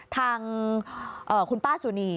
ทางคุณป้าสุนี